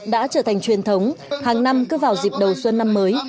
đã trở thành truyền thống hàng năm cứ vào dịp đầu xuân năm mới